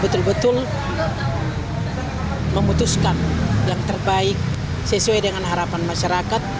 betul betul memutuskan yang terbaik sesuai dengan harapan masyarakat